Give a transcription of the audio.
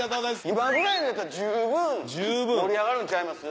今ぐらいのやったら十分盛り上がるんちゃいます？